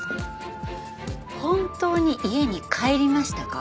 本当に家に帰りましたか？